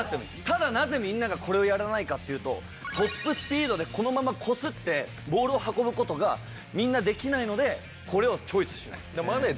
ただなぜみんながこれをやらないかっていうとトップスピードでこのままこすってボールを運ぶことがみんなできないのでこれをチョイスしないんです。